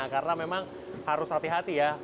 karena memang harus hati hati ya